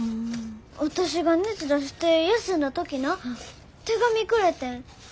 私が熱出して休んだ時な手紙くれてん。